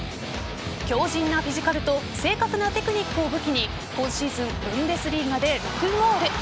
強靱なフィジカルと正確なテクニックを武器に今シーズンブンデスリーガで６ゴール。